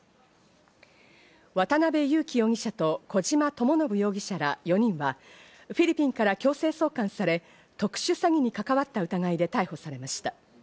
渡辺優樹容疑者と小島智信容疑者ら４人はフィリピンから強制送還され、特殊詐欺に関わった疑いで逮捕されました。